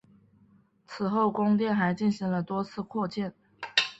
此后宫殿还进行了多次扩建。